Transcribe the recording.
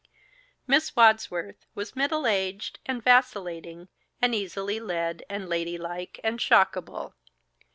Miss Wadsworth was middle aged and vacillating and easily led and ladylike and shockable.